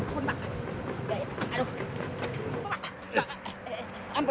terima kasih pak